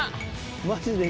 マジで。